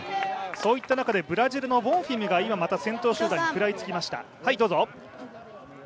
そういった中でブラジルのボンフィムがブラジル集団に食らいつきました。